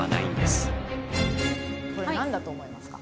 これ何だと思いますか？